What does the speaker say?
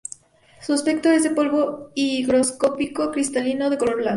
Su aspecto es de un polvo higroscópico cristalino de color blanco.